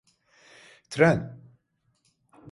Tren…